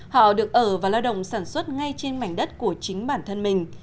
họ được ở và lao động sản xuất ngay trên mảnh đất của chính bản thân mình